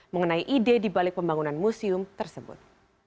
mengenai ide dibalik pembangunan museum tersebut